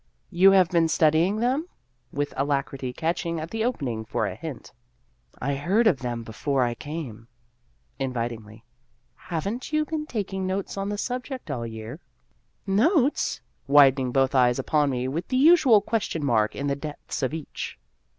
" You have been studying them ?" with alacrity catching at the opening for a hint. " I heard of them before I came." Invitingly, " Have n't you been taking notes on the subject all the year ?"" Notes ?" widening both eyes upon me with the usual question mark in the depths of each.